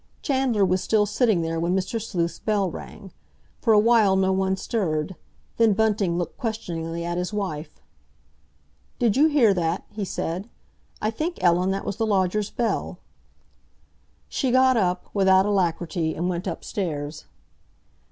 Chandler was still sitting there when Mr. Sleuth's bell rang. For awhile no one stirred; then Bunting looked questioningly at his wife. "Did you hear that?" he said. "I think, Ellen, that was the lodger's bell." She got up, without alacrity, and went upstairs.